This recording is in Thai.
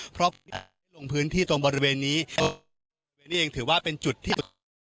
เพราะลงพื้นที่ตรงบริเวณนี้นี่เองถือว่าเป็นจุดที่